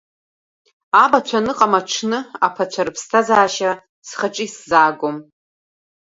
Абацәа аныҟам аҽны аԥацәа рыԥсҭазаашьа схаҿы исзаагом.